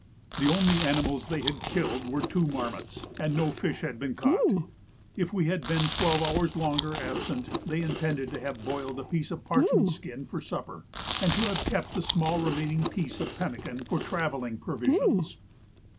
The only animals they had killed were two marmots, and no fish had been caught. If we had been twelve hours longer absent, they intended to have boiled a piece of parchment skin for supper, and to have kept the small remaining piece of pemmican for travelling provisions.